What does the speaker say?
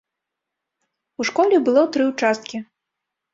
У школе было тры ўчасткі.